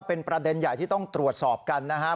เป็นประเด็นใหญ่ที่ต้องตรวจสอบกันนะครับ